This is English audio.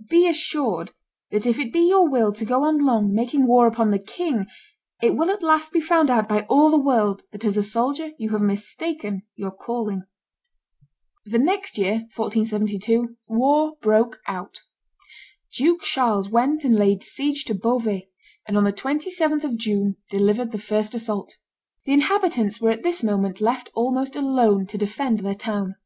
... Be assured that if it be your will to go on long making war upon the king, it will at last be found out by all the world that as a soldier you have mistaken your calling." The next year (1472) war broke out. Duke Charles went and laid siege to Beauvais, and on the 27th of June delivered the first assault. The inhabitants were at this moment left almost alone to defend their town.